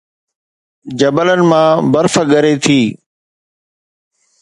جبلن مان برف ڳري ٿي